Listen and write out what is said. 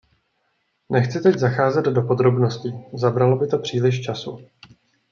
Nechci teď zacházet do podrobností, zabralo by to příliš času.